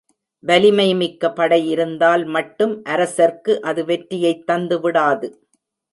வலிமை மிக்க படை இருந்தால் மட்டும் அரசர்க்கு அது வெற்றியைத் தந்துவிடாது.